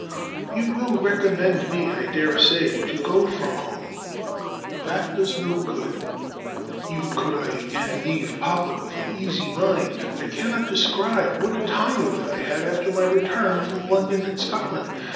You will recommend me, I dare say, to go from home; but that does no good, even could I again leave papa with an easy mind. ... I cannot describe what a time of it I had after my return from London and Scotland.